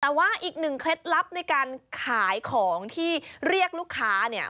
แต่ว่าอีกหนึ่งเคล็ดลับในการขายของที่เรียกลูกค้าเนี่ย